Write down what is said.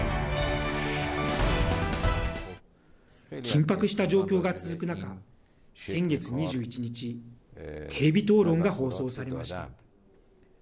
緊迫した状況が続く中先月２１日テレビ討論が放送されました。